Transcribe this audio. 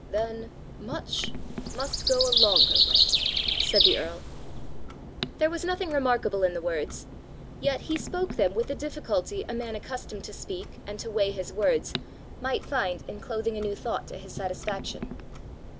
"Then much must go a longer way!" said the earl. There was nothing remarkable in the words, yet he spoke them with the difficulty a man accustomed to speak, and to weigh his words, might find in clothing a new thought to his satisfaction.